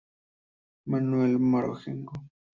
Manuel Marengo